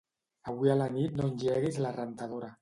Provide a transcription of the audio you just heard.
Avui a la nit no engeguis la rentadora.